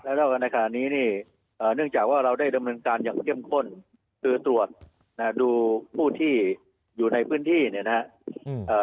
แล้วก็ในขณะนี้นี่เนื่องจากว่าเราได้ดำเนินการอย่างเข้มข้นคือตรวจดูผู้ที่อยู่ในพื้นที่เนี่ยนะครับ